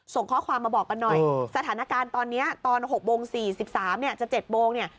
ส่งข้อความมาบอกกันหน่อยสถานการณ์ตอนนี้ตอน๖โมง๔๓เนี่ยจะ๗โมงเนี่ย